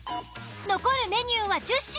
残るメニューは１０品。